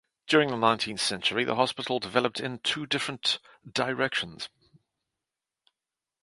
During the nineteenth century the hospital developed in two different directions.